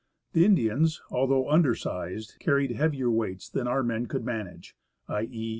The Indians, although undersized, carried heavier weights than our men could manage — i.e.